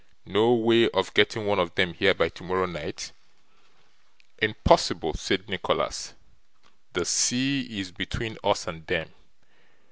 No way of getting one of them here by tomorrow night?' 'Impossible!' said Nicholas, 'the sea is between us and them.